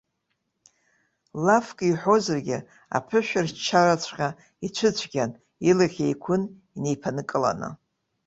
Лафк иҳәозаргьы аԥышәырччараҵәҟьа ицәыцәгьан, илахь еиқәын инеиԥынкыланы.